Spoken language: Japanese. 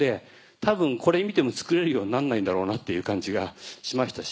多分これ見ても作れるようになんないんだろうなっていう感じがしましたし。